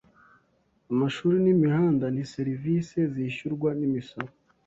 Amashuri n'imihanda ni serivisi zishyurwa n'imisoro.